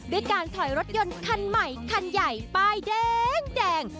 ด้วยการถอยรถยนต์คันใหม่คันใหญ่ป้ายแดง